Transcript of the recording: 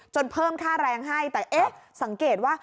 เพิ่มค่าแรงให้แต่เอ๊ะสังเกตว่า